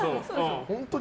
本当に。